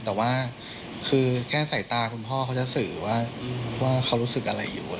แต่ว่าคือแค่ใส่ตาคุณพ่อเขาจะสื่อว่าเขารู้สึกอะไรอยู่